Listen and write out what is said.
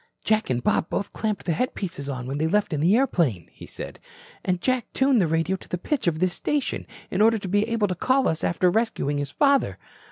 "Jack and Bob both clamped the headpieces on when they left in the airplane," he said. "And Jack tuned the radio to the pitch of this station, in order to be able to call us after rescuing his father.